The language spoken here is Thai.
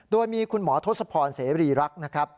โดยมีคุณหมอทศพรเสรีรักษ์นะครับ